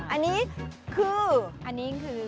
อันนี้คือ